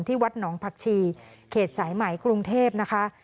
วัดหนองผักชีเขตสายไหมกรุงเทพนะคะ